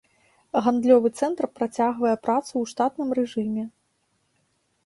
Гандлёвы цэнтр працягвае працу ў штатным рэжыме.